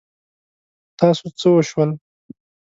په تاسو څه وشول؟